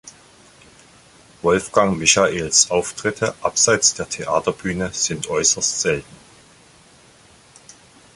Wolfgang Michaels Auftritte abseits der Theaterbühne sind äußerst selten.